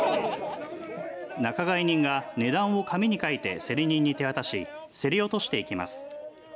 仲買人が値段を紙に書いて競り人に手渡し競り落としていきます。